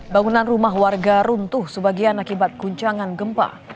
bangunan rumah warga runtuh sebagian akibat guncangan gempa